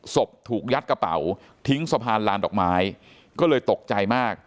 ถูกยัดกระเป๋าทิ้งสะพานลานดอกไม้ก็เลยตกใจมาก